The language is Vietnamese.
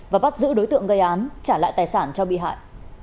và bắt giữ đối tượng gây án trả lại tài sản cho bị hại